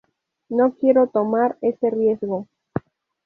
No quiero tomar ese riesgo.